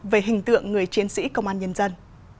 về hình tượng người chiến sĩ công an nhân dân